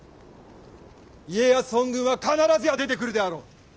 家康本軍は必ずや出てくるであろう。